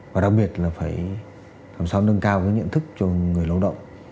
và đặc biệt là phải làm sao nâng cao cái nhận thức cho người lao động